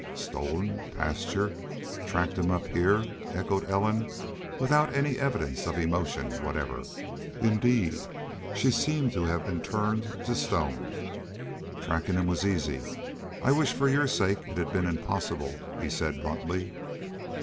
"Stolen pasture tracked him up heah?" echoed Ellen, without any evidence of emotion whatever. Indeed, she seemed to have been turned to stone. "Trackin' him was easy. I wish for your sake it 'd been impossible," he said, bluntly.